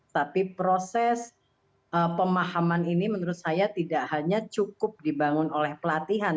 tapi proses pemahaman ini menurut saya tidak hanya cukup dibangun oleh pelatihan